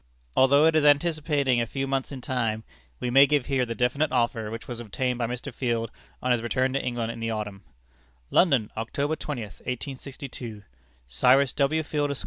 Although it is anticipating a few months in time, we may give here the "definite offer," which was obtained by Mr. Field, on his return to England in the autumn: "London, October 20, 1862. "_Cyrus W. Field, Esq.